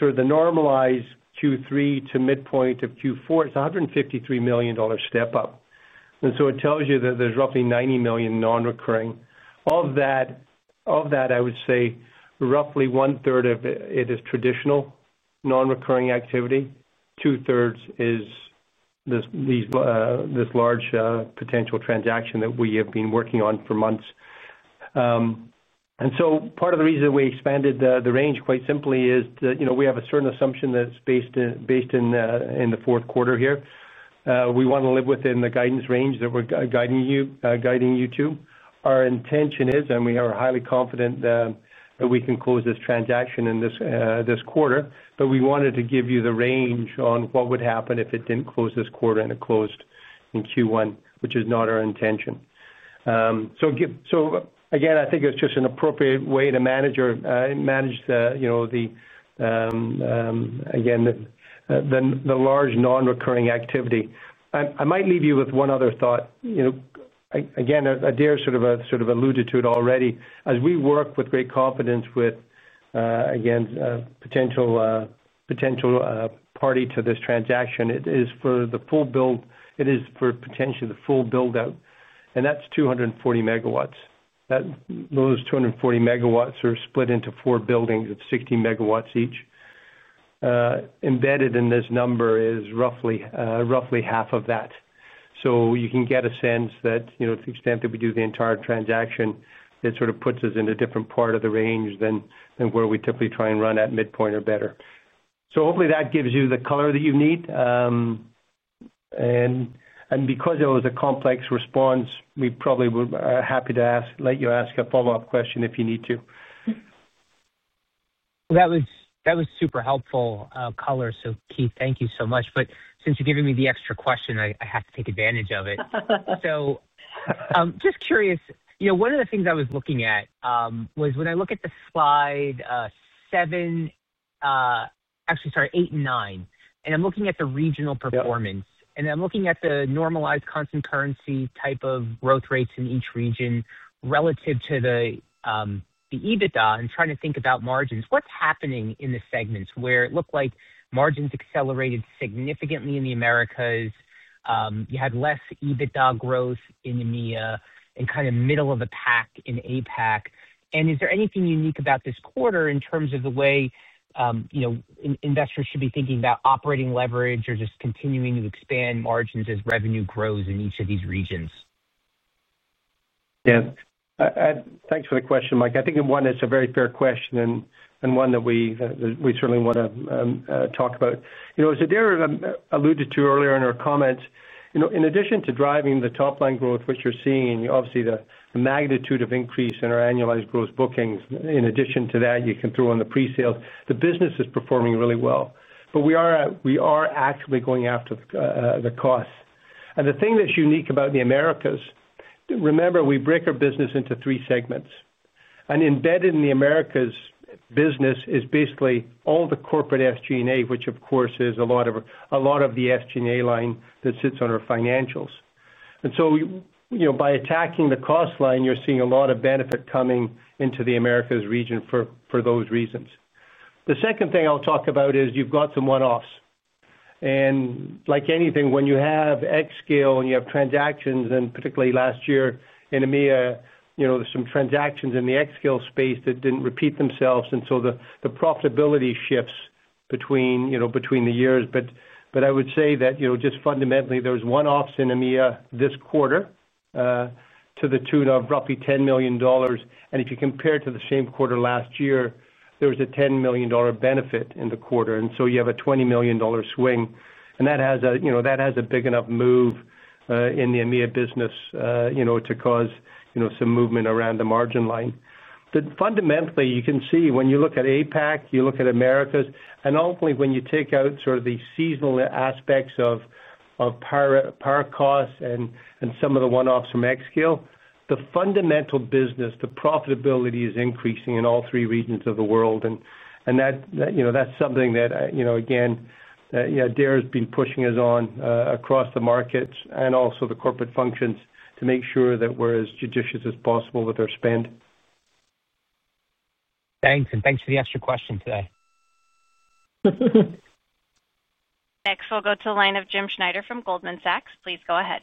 the normalized Q3 to midpoint of Q4, it's a $153 million step up. It tells you that there's roughly $90 million non-recurring. Of that, I would say roughly one-third of it is traditional non-recurring activity. Two-thirds is this large potential transaction that we have been working on for months. Part of the reason that we expanded the range quite simply is that we have a certain assumption that's based in the fourth quarter here. We want to live within the guidance range that we're guiding you to. Our intention is, and we are highly confident that we can close this transaction in this quarter, but we wanted to give you the range on what would happen if it didn't close this quarter and it closed in Q1, which is not our intention. I think it's just an appropriate way to manage the large non-recurring activity. I might leave you with one other thought. Adaire alluded to it already. As we work with great confidence with a potential party to this transaction, it is for the full build. It is for potentially the full buildout. That's 240 MW. Those 240 MW are split into four buildings of 60 MW each. Embedded in this number is roughly half of that. You can get a sense that to the extent that we do the entire transaction, it puts us in a different part of the range than where we typically try and run at midpoint or better. Hopefully that gives you the color that you need. Because it was a complex response, we probably would be happy to let you ask a follow-up question if you need to. That was super helpful color. Keith, thank you so much. Since you're giving me the extra question, I have to take advantage of it. Just curious, one of the things I was looking at was when I look at slide seven, actually, sorry, eight and nine, and I'm looking at the regional performance, and I'm looking at the normalized constant currency type of growth rates in each region relative to the EBITDA and trying to think about margins. What's happening in the segments where it looked like margins accelerated significantly in the Americas? You had less EBITDA growth in EMEA and kind of middle of the pack in APAC. Is there anything unique about this quarter in terms of the way investors should be thinking about operating leverage or just continuing to expand margins as revenue grows in each of these regions? Yes. Thanks for the question, Mike. I think, one, it's a very fair question and one that we certainly want to talk about. As Adaire alluded to earlier in her comments, in addition to driving the top line growth, which you're seeing, obviously the magnitude of increase in our annualized gross bookings, in addition to that, you can throw in the pre-sales, the business is performing really well. We are actually going after the costs. The thing that's unique about the Americas, remember, we break our business into three segments. Embedded in the Americas business is basically all the corporate SG&A, which of course is a lot of the SG&A line that sits on our financials. By attacking the cost line, you're seeing a lot of benefit coming into the Americas region for those reasons. The second thing I'll talk about is you've got some one-offs. Like anything, when you have xScale and you have transactions, and particularly last year in EMEA, there's some transactions in the xScale space that didn't repeat themselves. The profitability shifts between the years. I would say that just fundamentally, there's one-offs in EMEA this quarter to the tune of roughly $10 million. If you compare it to the same quarter last year, there was a $10 million benefit in the quarter. You have a $20 million swing. That has a big enough move in the EMEA business to cause some movement around the margin line. Fundamentally, you can see when you look at APAC, you look at Americas, and ultimately when you take out sort of the seasonal aspects of power costs and some of the one-offs from xScale, the fundamental business, the profitability is increasing in all three regions of the world. That's something that, again, Adaire has been pushing us on across the markets and also the corporate functions to make sure that we're as judicious as possible with our spend. Thanks, and thanks for the extra question today. Next, we'll go to the line of Jim Schneider from Goldman Sachs. Please go ahead.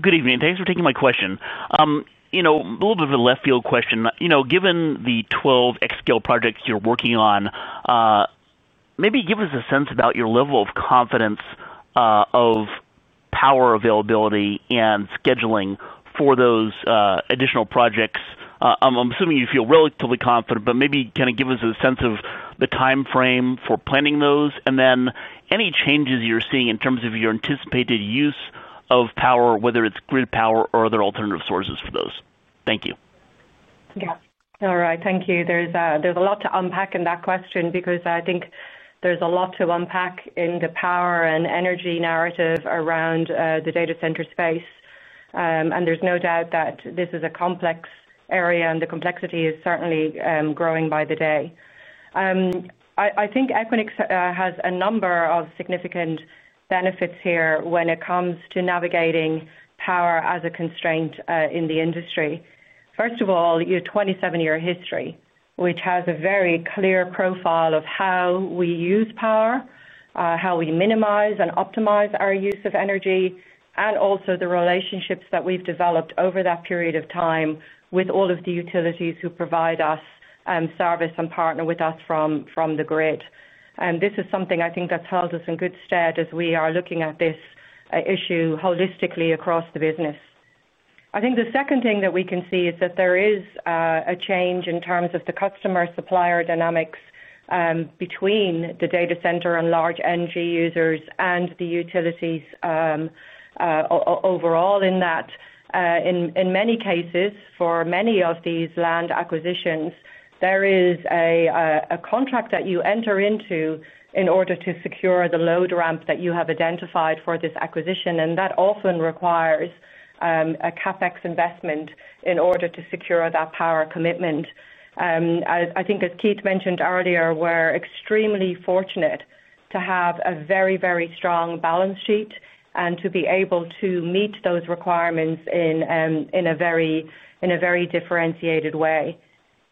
Good evening. Thanks for taking my question. A little bit of a left-field question. Given the 12 xScale projects you're working on, maybe give us a sense about your level of confidence of power availability and scheduling for those additional projects. I'm assuming you feel relatively confident, but maybe kind of give us a sense of the timeframe for planning those, and any changes you're seeing in terms of your anticipated use of power, whether it's grid power or other alternative sources for those. Thank you. All right, thank you. There's a lot to unpack in that question because I think there's a lot to unpack in the power and energy narrative around the data center space. There's no doubt that this is a complex area, and the complexity is certainly growing by the day. I think Equinix has a number of significant benefits here when it comes to navigating power as a constraint in the industry. First of all, your 27-year history, which has a very clear profile of how we use power, how we minimize and optimize our use of energy, and also the relationships that we've developed over that period of time with all of the utilities who provide us service and partner with us from the grid. This is something I think that's held us in good stead as we are looking at this issue holistically across the business. The second thing that we can see is that there is a change in terms of the customer-supplier dynamics between the data center and large energy users and the utilities overall in that. In many cases, for many of these land acquisitions, there is a contract that you enter into in order to secure the load ramps that you have identified for this acquisition, and that often requires a CapEx investment in order to secure that power commitment. I think, as Keith mentioned earlier, we're extremely fortunate to have a very, very strong balance sheet and to be able to meet those requirements in a very differentiated way.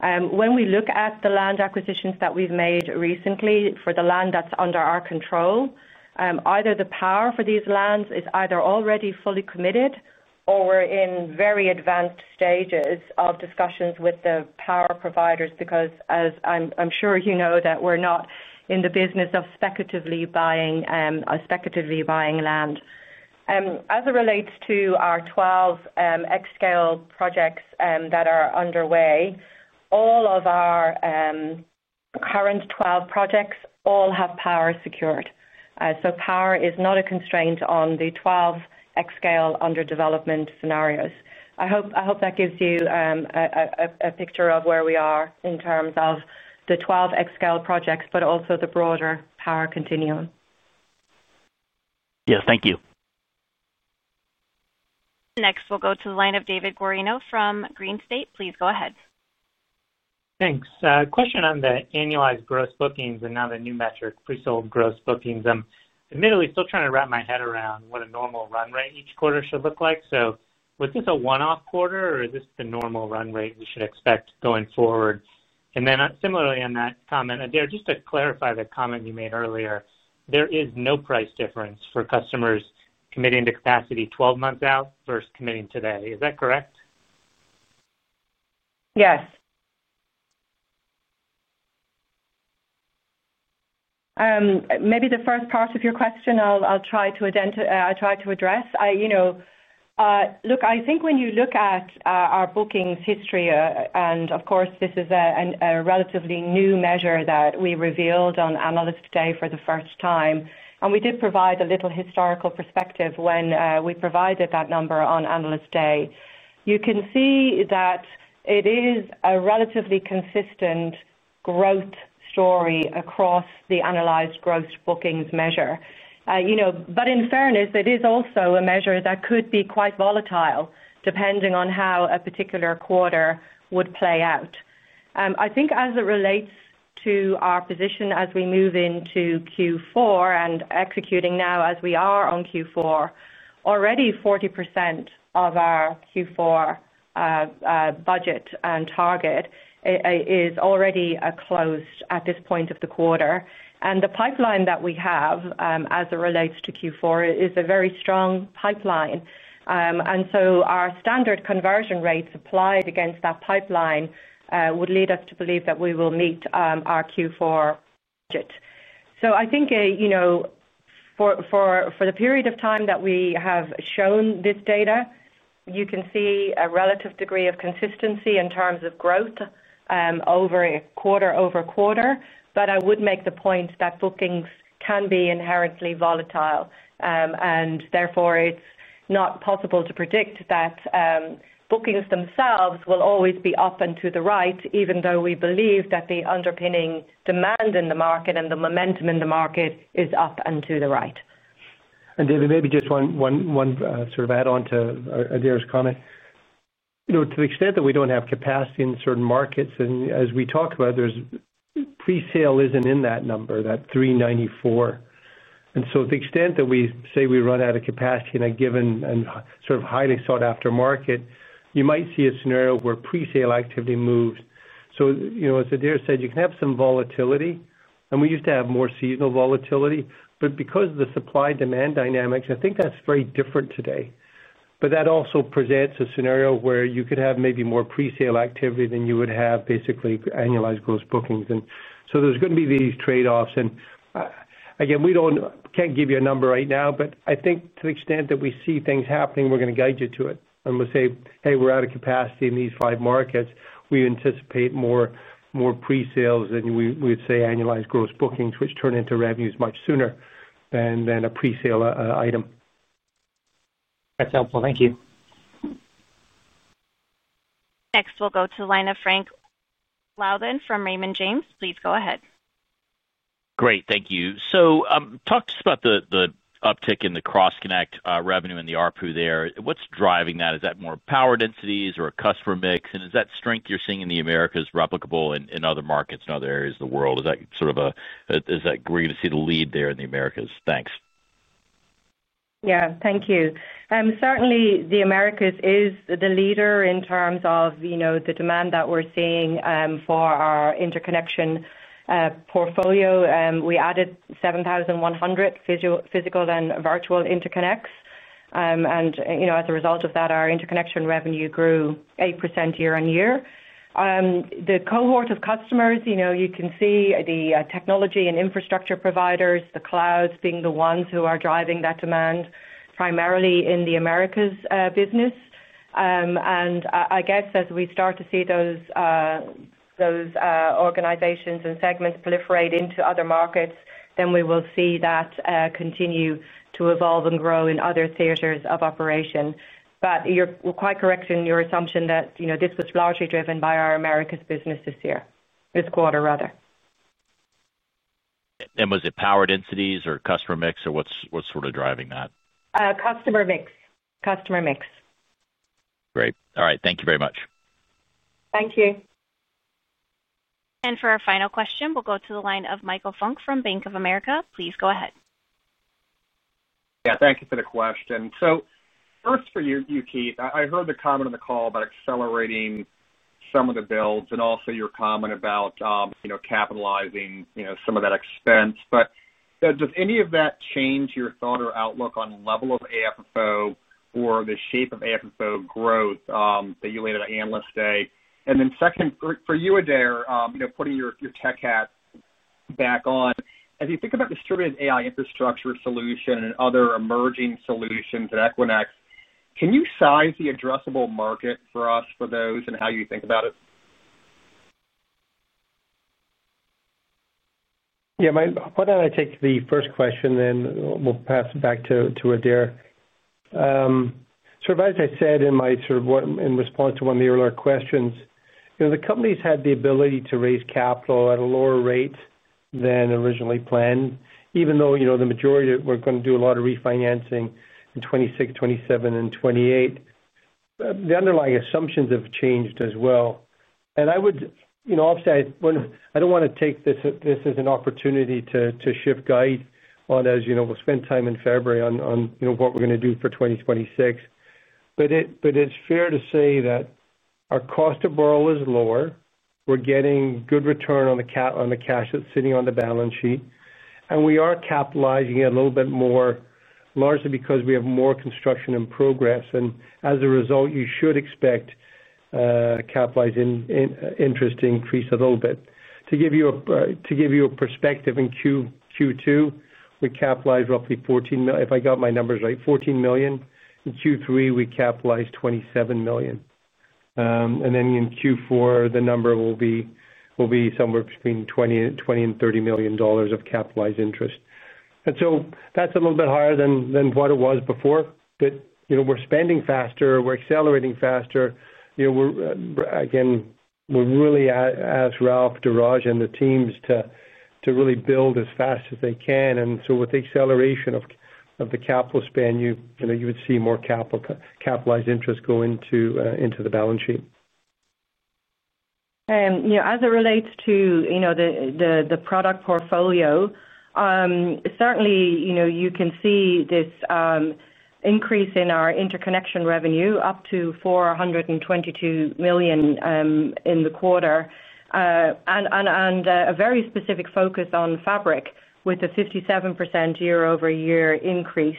When we look at the land acquisitions that we've made recently for the land that's under our control, either the power for these lands is already fully committed or we're in very advanced stages of discussions with the power providers because, as I'm sure you know, we're not in the business of speculatively buying land. As it relates to our 12 xScale projects that are underway, all of our current 12 projects all have power secured. Power is not a constraint on the 12 xScale under development scenarios. I hope that gives you a picture of where we are in terms of the 12 xScale projects, but also the broader power continuum. Yes, thank you. Next, we'll go to the line of David Guarino from Green Street. Please go ahead. Thanks. Question on the annualized gross bookings and now the new metric pre-sold gross bookings. I'm admittedly still trying to wrap my head around what a normal run rate each quarter should look like. Was this a one-off quarter, or is this the normal run rate we should expect going forward? Similarly on that comment, Adaire, just to clarify the comment you made earlier, there is no price difference for customers committing to capacity 12 months out versus committing today. Is that correct? Yes. Maybe the first part of your question I'll try to address. Look, I think when you look at our bookings history, and of course this is a relatively new measure that we revealed on analyst day for the first time, and we did provide a little historical perspective when we provided that number on analyst day. You can see that it is a relatively consistent growth story across the annualized gross bookings measure. In fairness, it is also a measure that could be quite volatile depending on how a particular quarter would play out. I think as it relates to our position as we move into Q4 and executing now as we are on Q4, already 40% of our Q4 budget and target is already closed at this point of the quarter. The pipeline that we have as it relates to Q4 is a very strong pipeline. Our standard conversion rates applied against that pipeline would lead us to believe that we will meet our Q4 budget. For the period of time that we have shown this data, you can see a relative degree of consistency in terms of growth over quarter-over-quarter. I would make the point that bookings can be inherently volatile, and therefore it's not possible to predict that bookings themselves will always be up and to the right, even though we believe that the underpinning demand in the market and the momentum in the market is up and to the right. David, maybe just one sort of add-on to Adaire's comment. To the extent that we don't have capacity in certain markets, and as we talked about, pre-sale isn't in that number, that 394. To the extent that we say we run out of capacity in a given and sort of highly sought-after market, you might see a scenario where pre-sale activity moves. As Adaire said, you can have some volatility, and we used to have more seasonal volatility. Because of the supply-demand dynamics, I think that's very different today. That also presents a scenario where you could have maybe more pre-sale activity than you would have basically annualized gross bookings. There are going to be these trade-offs. We can't give you a number right now, but I think to the extent that we see things happening, we're going to guide you to it. We'll say, "Hey, we're out of capacity in these five markets. We anticipate more pre-sales than we would say annualized gross bookings," which turn into revenues much sooner than a pre-sale item. That's helpful. Thank you. Next, we'll go to the line of Frank Louthan from Raymond James. Please go ahead. Great, thank you. Talk to us about the uptick in the Cross Connects revenue and the ARPU there. What's driving that? Is that more power densities or a customer mix? Is that strength you're seeing in the Americas replicable in other markets and other areas of the world? Is that sort of a, we're going to see the lead there in the Americas? Thanks. Yeah, thank you. Certainly, the Americas is the leader in terms of the demand that we're seeing for our interconnection portfolio. We added 7,100 physical and virtual interconnects, and as a result of that, our interconnection revenue grew 8% year-on-year. The cohort of customers, you can see the technology and infrastructure providers, the clouds being the ones who are driving that demand primarily in the Americas business. I guess as we start to see those organizations and segments proliferate into other markets, we will see that continue to evolve and grow in other theaters of operation. You're quite correct in your assumption that this was largely driven by our Americas business this quarter. Was it power densities or customer mix, or what's sort of driving that? Customer mix. Customer mix. Great. All right, thank you very much. Thank you. For our final question, we'll go to the line of Michael Funk from Bank of America. Please go ahead. Thank you for the question. First for you, Keith, I heard the comment on the call about accelerating some of the builds and also your comment about capitalizing some of that expense. Does any of that change your thought or outlook on the level of AFFO or the shape of AFFO growth that you laid out at analyst day? Second, for you, Adaire, putting your tech hat back on, as you think about distributed AI infrastructure solution and other emerging solutions at Equinix, can you size the addressable market for us for those and how you think about it? Yeah, why don't I take the first question, then we'll pass it back to Adaire. As I said in response to one of the earlier questions, the company has had the ability to raise capital at a lower rate than originally planned, even though the majority were going to do a lot of refinancing in 2026, 2027, and 2028. The underlying assumptions have changed as well. I would, obviously, I don't want to take this as an opportunity to shift guide on, as you know, we'll spend time in February on what we're going to do for 2026. It's fair to say that our cost to borrow is lower. We're getting good return on the cash that's sitting on the balance sheet. We are capitalizing it a little bit more, largely because we have more construction in progress. As a result, you should expect capitalizing interest to increase a little bit. To give you a perspective, in Q2, we capitalized roughly $14 million, if I got my numbers right, $14 million. In Q3, we capitalized $27 million. In Q4, the number will be somewhere between $20 million and $30 million of capitalized interest. That's a little bit higher than what it was before. We're spending faster, we're accelerating faster. We really asked Raouf, Durage, and the teams to really build as fast as they can. With the acceleration of the capital spend, you would see more capitalized interest go into the balance sheet. As it relates to the product portfolio, certainly you can see this increase in our interconnection revenue up to $422 million in the quarter and a very specific focus on Fabric with a 57% year-over-year increase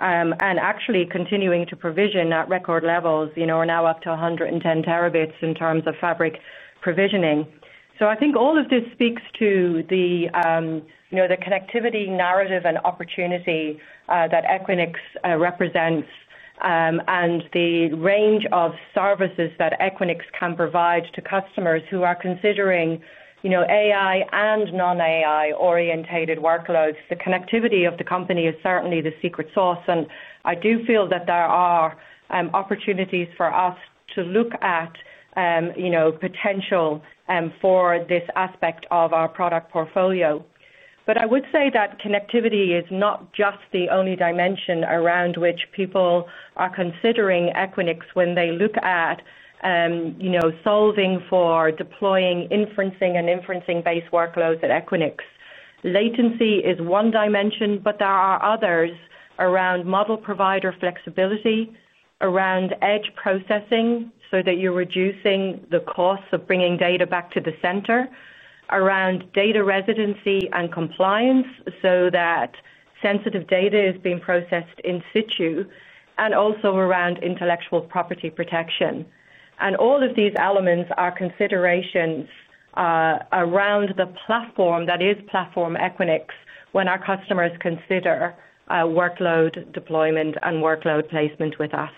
and actually continuing to provision at record levels. We're now up to 110 terabits in terms of fabric provisioning. I think all of this speaks to the connectivity narrative and opportunity that Equinix represents and the range of services that Equinix can provide to customers who are considering AI and non-AI-orientated workloads. The connectivity of the company is certainly the secret sauce. I do feel that there are opportunities for us to look at potential for this aspect of our product portfolio. I would say that connectivity is not just the only dimension around which people are considering Equinix when they look at solving for deploying inferencing and inferencing-based workloads at Equinix. Latency is one dimension, but there are others around model provider flexibility, around edge processing so that you're reducing the costs of bringing data back to the center, around data residency and compliance so that sensitive data is being processed in situ, and also around intellectual property protection. All of these elements are considerations around the platform that is Platform Equinix when our customers consider workload deployment and workload placement with us.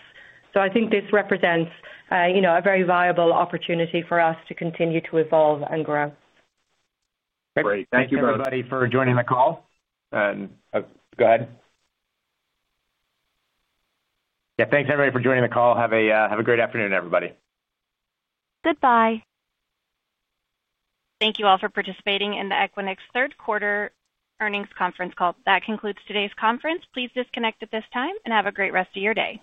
I think this represents a very viable opportunity for us to continue to evolve and grow. Great, thank you everybody for joining the call. Thank you, everybody, for joining the call. Have a great afternoon, everybody. Goodbye. Thank you all for participating in the Equinix third quarter earnings conference call. That concludes today's conference. Please disconnect at this time and have a great rest of your day.